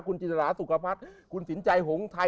คุณจินตราสุขภัทรคุณสินใจหงไทย